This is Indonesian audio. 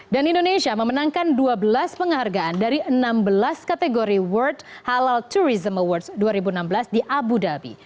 dan indonesia memenangkan dua belas penghargaan dari enam belas kategori world halal tourism awards dua ribu enam belas di abu dhabi